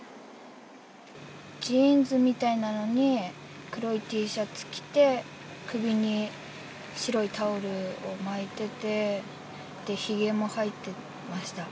ジーンズみたいなのに黒いＴシャツ着て、首に白いタオルを巻いてて、ひげも生えてました。